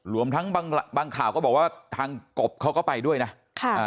รวมทั้งบางข่าวก็บอกว่าทางกบเขาก็ไปด้วยนะ